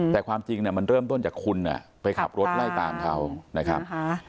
แต่ความจริงมันเริ่มต้นจากคุณไปขับรถไล่ตามเขานะครับ